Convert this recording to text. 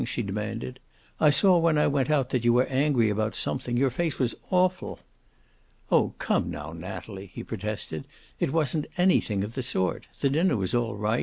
she demanded. "I saw when I went out that you were angry about something. Your face was awful." "Oh, come now, Natalie," he protested. "It wasn't anything of the sort. The dinner was all right.